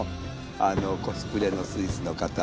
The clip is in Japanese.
あのコスプレのスイスの方。